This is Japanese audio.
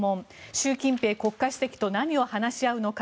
習近平国家主席と何を話し合うのか。